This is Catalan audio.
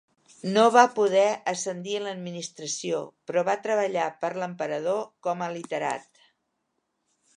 No va poder ascendir en l'administració però va treballar per l'emperador com a literat.